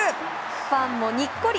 ファンもにっこり。